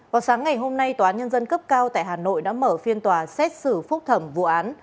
vào sáng ngày hôm nay tòa án nhân dân cấp cao tại hà nội đã mở phiên tòa xét xử phúc thẩm vụ án